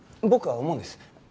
僕は思うんです。